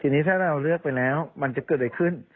ทีนี้ถ้าเราเลือกไปแล้วมันจะเกิดอะไรขึ้น